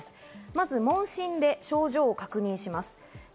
まず問診で症状を確認します。